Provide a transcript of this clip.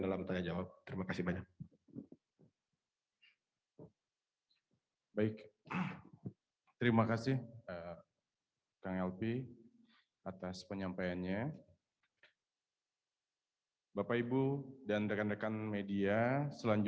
dan kami berkomunikasi dengan keluarga dan kedutaan